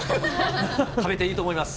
食べていいと思います。